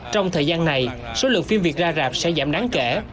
trong thời gian này số lượng phim việt ra rạp sẽ giảm đáng kể